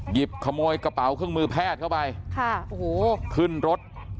หยิบขโมยกระเป๋าเครื่องมือแพทย์เข้าไปค่ะโอ้โหขึ้นรถ